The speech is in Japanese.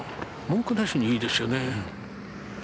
文句なしにいいですよね。